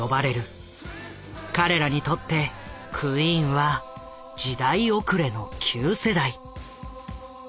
彼らにとってクイーンは時代遅れの旧世代。